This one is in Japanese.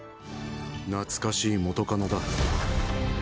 懐かしい元カノだ。